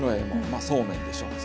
まあそうめんでしょう。